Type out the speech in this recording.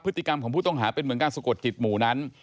พฤติกรรมของผู้ต้องหาเป็นเหมือนการสะกดจิตหมู่นั้น